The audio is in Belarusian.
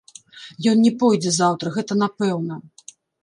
Ён не пойдзе заўтра, гэта напэўна.